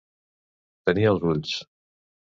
Tenir als ulls.